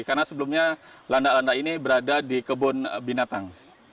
karena sebelumnya landak landak ini berada di kebun binatang